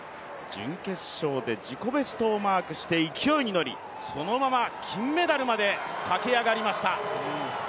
準決勝で自己ベストをマークして勢いに乗り、そのまま金メダルまで駆け上がりました。